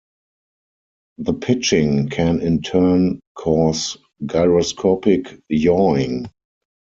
The pitching can in turn cause gyroscopic yawing.